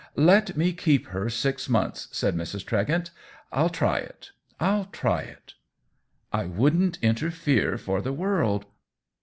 " Let me keep her six months," said Mrs. Tregent. " I'll try it— I'll try it !"" I wouldn't interfere for the world."